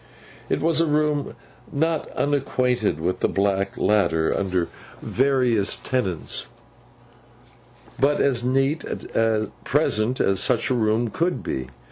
It was a room, not unacquainted with the black ladder under various tenants; but as neat, at present, as such a room could be.